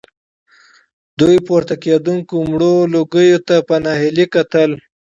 دوی پورته کېدونکو مړو لوګيو ته په ناهيلۍ کتل.